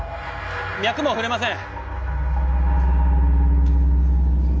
脈も触れません。